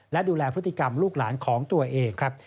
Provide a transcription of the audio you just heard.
และดูแลพฤติกรรมลูกหลานของตัวเองครับ